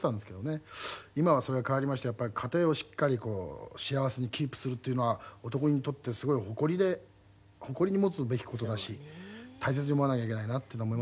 今はそれが変わりましてやっぱり家庭をしっかりこう幸せにキープするというのは男にとってすごい誇りで誇りに持つべき事だし大切に思わなきゃいけないなっていうのは思いますね。